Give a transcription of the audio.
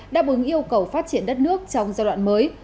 đáp ứng yêu cầu phát triển đất nước trong giai đoạn mới